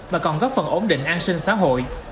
mà còn góp phần ổn định an sinh xã hội